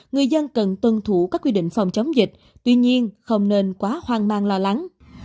người dân cần tuân thủ các quy định phòng chống dịch tuy nhiên không nên quá hoang mang lo lắng